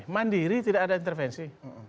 mandiri tidak ada intervensi